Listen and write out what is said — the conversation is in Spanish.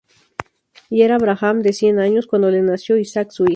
Y era Abraham de cien años, cuando le nació Isaac su hijo.